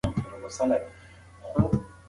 ښوونکي د زده کوونکو خطونه اصلاح کوي.